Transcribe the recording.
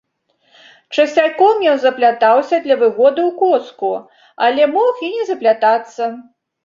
Часцяком ён заплятаўся для выгоды ў коску, але мог і не заплятацца.